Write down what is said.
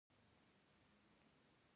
هلته ډیر قیمتي ډبرې وې خو ډوډۍ نه وه.